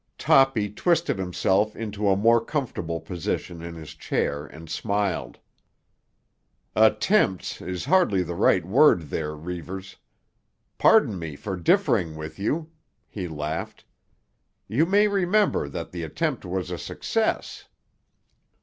Toppy twisted himself into a more comfortable position in his chair and smiled. "'Attempts' is hardly the right word there, Reivers. Pardon me for differing with you," he laughed. "You may remember that the attempt was a success."